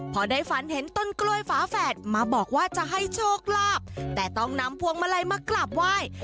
พอได้ฝันเห็นต้นกล้วยฝาแฝดมาบอกว่าจะให้โชคลาภแต่ต้องนำพวงมาลัยมากราบไหว้